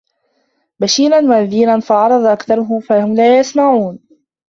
بَشيرًا وَنَذيرًا فَأَعرَضَ أَكثَرُهُم فَهُم لا يَسمَعونَ